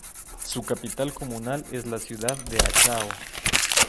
Su capital comunal es la ciudad de Achao.